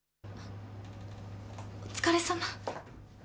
お疲れさま。